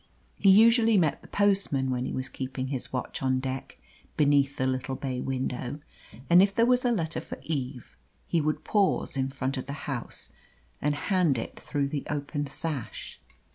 He usually met the postman when he was keeping his watch on deck beneath the little bay window and if there was a letter for Eve, he would pause in front of the house, and hand it through the open sash.